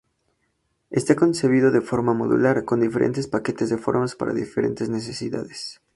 Está concebido de forma modular, con diferentes paquetes de formas para diferentes necesidades.